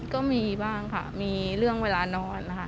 ก็มีบ้างค่ะมีเรื่องเวลานอนนะคะ